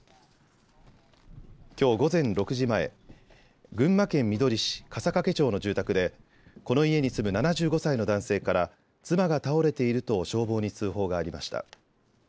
きょう午前６時前群馬県みどり市笠懸町の住宅でこの家に住む７５歳の男性から妻が倒れていると消防に通報がありました。